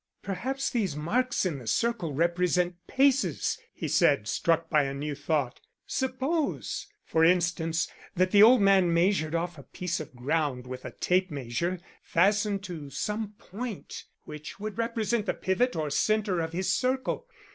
"Perhaps these marks in the circle represent paces," he said, struck by a new thought. "Suppose, for instance, that the old man measured off a piece of ground with a tape measure fastened to some point which would represent the pivot or centre of his circle.